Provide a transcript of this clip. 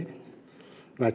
và chúng ta sẽ